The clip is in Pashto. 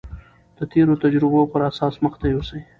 د تېرو تجربو پر اساس مخته يوسي.